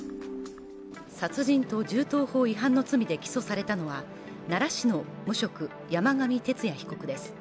殺人と銃刀法違反の罪で起訴されたのは奈良市の無職・山上徹也被告です。